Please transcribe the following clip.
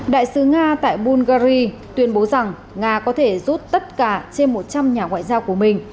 đại sứ nga tại bungary tuyên bố rằng nga có thể rút tất cả trên một trăm linh nhà ngoại giao của mình